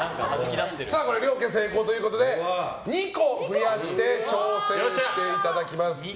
両家成功ということで２個増やして挑戦していただきます。